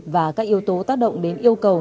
và các yếu tố tác động đến yêu cầu